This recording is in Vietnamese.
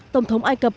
tổng thống ai cập